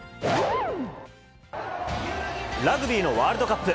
ラグビーのワールドカップ。